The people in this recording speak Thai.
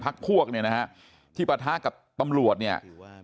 พักพวกเนี่ยนะฮะที่ปะทะกับตำรวจเนี่ย